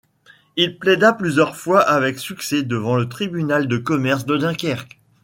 Il plaida plusieurs fois avec succès devant le tribunal de commerce de Dunkerque.